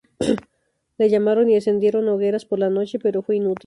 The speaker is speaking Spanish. Le llamaron y encendieron hogueras por la noche, pero fue inútil.